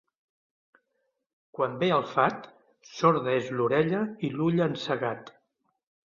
Quan ve el fat, sorda és l'orella i l'ull encegat.